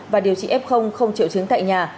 và điều trị f không triệu chứng tại nhà